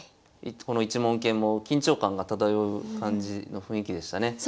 この一門研も緊張感が漂う感じの雰囲気でしたね。